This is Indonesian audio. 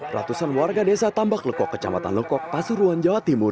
ratusan warga desa tambak lekok kecamatan lekok pasuruan jawa timur